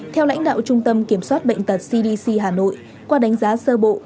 theo lãnh đạo trung tâm kiểm soát bệnh tật cdc hà nội qua đánh giá sơ bộ